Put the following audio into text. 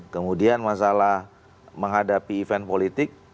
kemudian masalah menghadapi event politik